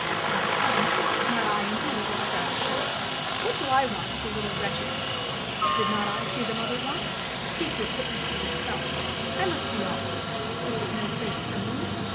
'' "I come? Not I, indeed!" the skrattel shrieked. "What do I want with the little wretches Did not I see the mother once.^ Keep your kittens to yourself. I must be off. This is no place for me.